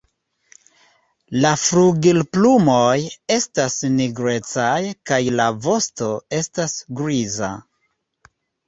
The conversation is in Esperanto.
La flugilplumoj estas nigrecaj kaj la vosto estas griza.